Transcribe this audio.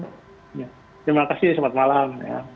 terima kasih selamat malam